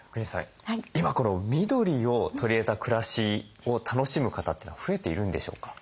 今この緑を取り入れた暮らしを楽しむ方というのは増えているんでしょうか？